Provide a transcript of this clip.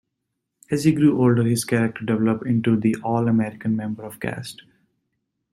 As he grew older, his character developed into the all-American member of cast.